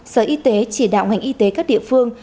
sở y tế chỉ đạo ngành y tế các địa phương